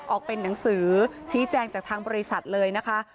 ออกเป็นหนังสือชี้แจงจากทางบริษัทเลยนะคะ